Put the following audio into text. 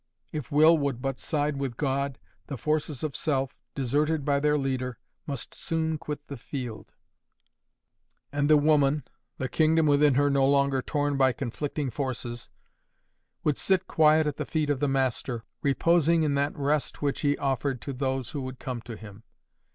If will would but side with God, the forces of self, deserted by their leader, must soon quit the field; and the woman—the kingdom within her no longer torn by conflicting forces—would sit quiet at the feet of the Master, reposing in that rest which He offered to those who could come to Him.